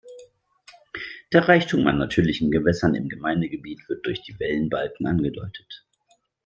Der Reichtum an natürlichen Gewässern im Gemeindegebiet wird durch den Wellenbalken angedeutet.